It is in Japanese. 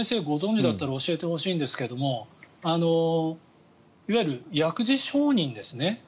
ご存じだったら教えてほしいんですけれどいわゆる薬事承認ですね。